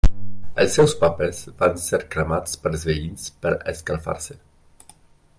Els seus papers van ser cremats pels veïns per escalfar-se.